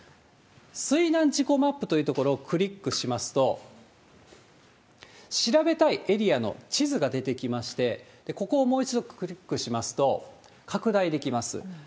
水難事故マップという所をクリックしますと、調べたいエリアの地図が出てきまして、ここをもう一度クリックしますと、拡大できます。